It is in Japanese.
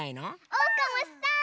おうかもしたい！